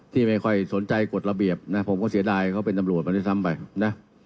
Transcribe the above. ที่ไม่ค่อยสนใจกฎระเบียบนะผมก็เสียดายเขาเป็นตำรวจมาด้วยซ้ำไปนะ